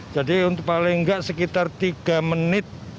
jadi untuk paling enggak sekitar tiga menit